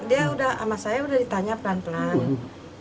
dia udah sama saya udah ditanya pelan pelan